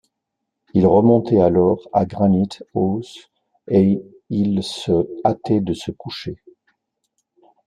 Ils remontaient alors à Granite-house, et ils se hâtaient de se coucher